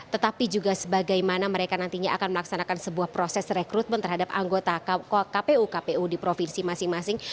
tetapi juga sebagaimana mereka nantinya akan melaksanakan sebuah proses rekrutmen terhadap anggota kpu kpu di provinsi masing masing